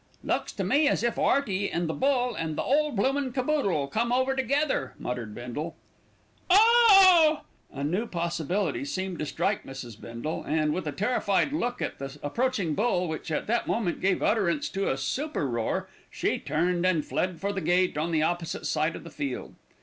"Looks to me as if 'Earty and the bull and the whole bloomin' caboodle'll come over together," muttered Bindle. "Oooooh!" A new possibility seemed to strike Mrs. Bindle and, with a terrified look at the approaching bull, which at that moment gave utterance to a super roar, she turned and fled for the gate on the opposite side of the field.